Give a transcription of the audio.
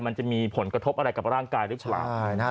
มันจะมีผลกระทบอะไรกับร่างกายหรือเปล่า